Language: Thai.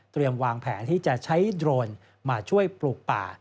วางแผนที่จะใช้โดรนมาช่วยปลูกป่า